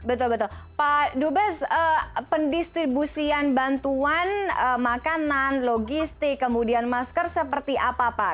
betul betul pak dubes pendistribusian bantuan makanan logistik kemudian masker seperti apa pak